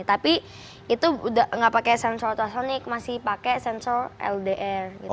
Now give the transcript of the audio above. tapi itu gak pakai sensor ultrasonic masih pakai sensor ldr gitu